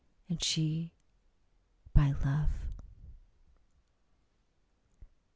and She, "By Love."